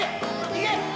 いけ！